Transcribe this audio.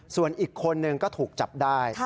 ส่วนอีกคนนึงก็ถูกจับได้